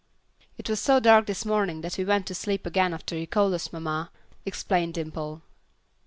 "It was so dark this morning that we went to sleep again after you called us, mamma," explained Dimple.